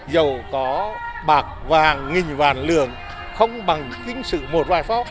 dầu có bạc vàng nghìn vàng lượng không bằng kính sự một vài phó